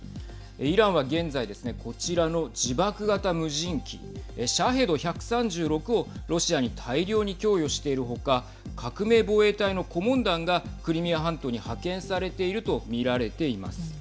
イランは現在ですねこちらの自爆型無人機シャヘド１３６をロシアに大量に供与している他革命防衛隊の顧問団がクリミア半島に派遣されていると見られています。